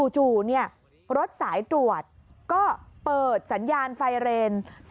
จู่รถสายตรวจก็เปิดสัญญาณไฟเรน